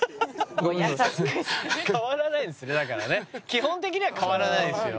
基本的には変わらないですよ。